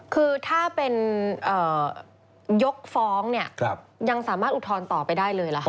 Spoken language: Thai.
ผมถามยกฟ้องเนี่ยยังสามารถอุทธรณต่อไปได้เลยหรือครับ